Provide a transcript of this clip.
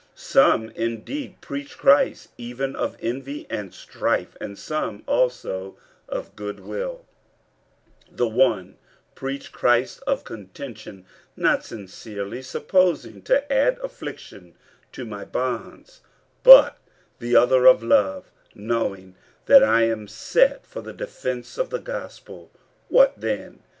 50:001:015 Some indeed preach Christ even of envy and strife; and some also of good will: 50:001:016 The one preach Christ of contention, not sincerely, supposing to add affliction to my bonds: 50:001:017 But the other of love, knowing that I am set for the defence of the gospel. 50:001:018 What then?